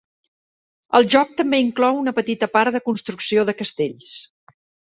El joc també inclou una petita part de construcció de castells.